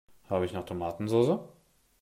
Habe ich noch Tomatensoße?